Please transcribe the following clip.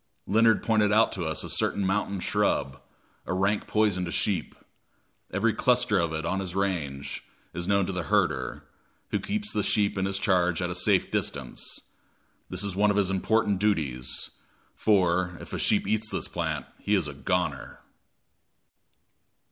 Leonard pointed out to us a certain mountain shrub, a rank poison to sheep. Every cluster of it in his range is known to the herder, who keeps the sheep in his charge at a safe distance. This is one of his important duties; for, if a sheep eats of this plant, he is a "goner."